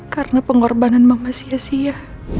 karena pengorbanan mama sia sia